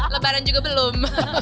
lebaran juga belum